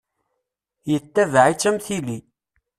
Yettabaɛ-itt am tili.